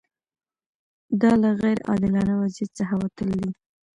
دا له غیر عادلانه وضعیت څخه وتل دي.